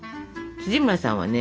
村さんはね